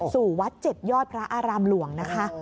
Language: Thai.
สู่วัด๗ยอดพระอารามหลวงนะคะ